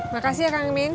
makasih ya kang min